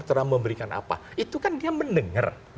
telah memberikan apa itu kan dia mendengar